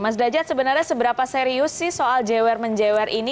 mas derajat sebenarnya seberapa serius sih soal jewer menjewer ini